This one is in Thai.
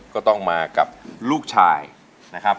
ก็ต้องมากับลูกชายนะครับ